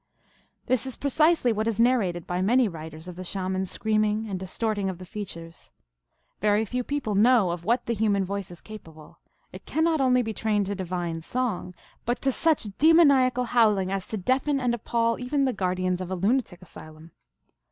This is precisely what is narrated by many writers of the Shaman screaming and distorting of the fea tures. Very few people know of what the human voice is capable. It can not only be trained to divine song, but to such demoniacal howling as to deafen and appall even the guardians of a lunatic asylum.